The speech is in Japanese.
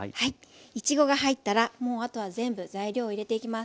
いちごが入ったらもうあとは全部材料を入れていきます。